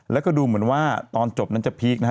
แล้วก็ดูเหมือนว่าตอนจบนั้นจะพีคนะฮะ